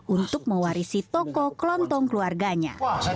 untuk mewarisi toko kelontong keluarganya